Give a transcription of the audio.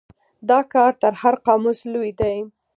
دا کار تر هر قاموس لوی دی.